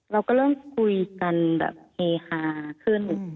เราก็เริ่มคุยกันแบบเฮฮาขึ้น